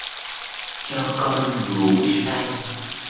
Cho con gủ say...